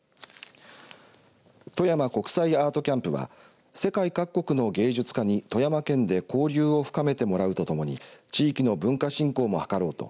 とやま国際アートキャンプは世界各国の芸術家に富山県で交流を深めてもらうとともに地域の文化振興も図ろうと